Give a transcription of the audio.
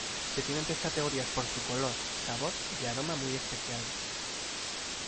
Se tienen tres categorías por su color, sabor y aroma muy especiales.